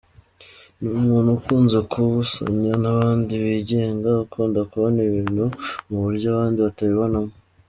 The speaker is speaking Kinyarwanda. Ni umuntu ukunze kubusanya n’abandi, wigenga, akunda kubona ibintu mu buryo abandi batabibonamo.